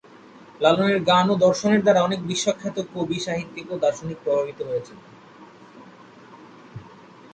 লালনের গান ও দর্শনের দ্বারা অনেক বিশ্বখ্যাত কবি, সাহিত্যিক, দার্শনিক প্রভাবিত হয়েছেন।